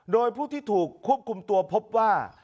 โดยผู้ที่ถูกควบคุมตัวพบว่า